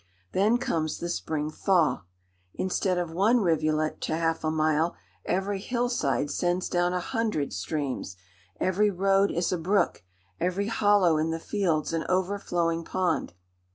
Then comes the spring thaw. Instead of one rivulet to half a mile, every hill side sends down a hundred streams, every road is a brook, every hollow in the fields an overflowing pond.